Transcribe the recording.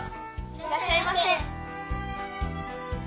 いらっしゃいませ。